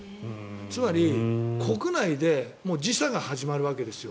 つまり、国内で時差が始まるわけですよ。